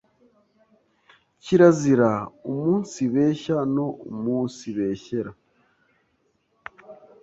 kirazira umunsibeshya no umunsibeshyera